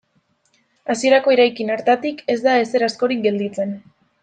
Hasierako eraikin hartatik ez da ezer askorik gelditzen.